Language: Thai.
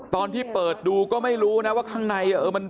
ตอนที่เปิดดูก็ไม่รู้นะว่าข้างใน